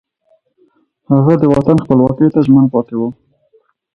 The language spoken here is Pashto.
هغه د وطن خپلواکۍ ته ژمن پاتې شو